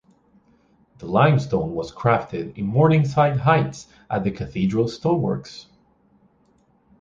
The limestone was crafted in Morningside Heights at the Cathedral Stoneworks.